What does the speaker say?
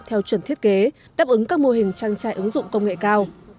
theo chuẩn thiết kế đáp ứng các mô hình trang trại ứng dụng công nghệ cao